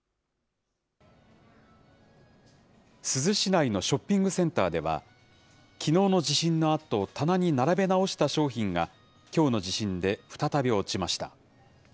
珠洲市内のショッピングセンターでは、きのうの地震のあと、棚に並べ直した商品が、きょうの地震で再び落ちました。